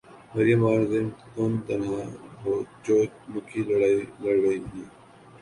مریم اورنگزیب تن تنہا چو مکھی لڑائی لڑ رہی ہیں۔